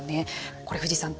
これ藤井さん